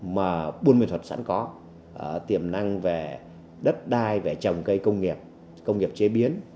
mà buôn ma thuật sẵn có tiềm năng về đất đai về trồng cây công nghiệp công nghiệp chế biến